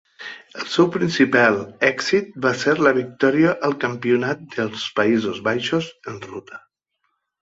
El seu principal èxit va ser la victòria al Campionat dels Països Baixos en ruta.